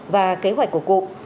và kế hoạch của cụm